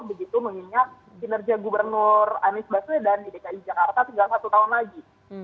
begitu mengingat kinerja gubernur anies baswedan di dki jakarta tinggal satu tahun lagi